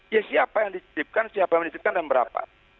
ya siapa yang dititipkan siapa yang menitipkan dan berapa